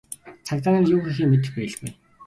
Цагдаа нар юу хийхээ мэдэх байлгүй.